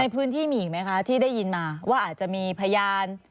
พื้นที่มีอีกไหมคะที่ได้ยินมาว่าอาจจะมีพยาน